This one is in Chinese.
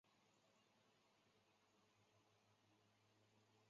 俄语也是重要语言。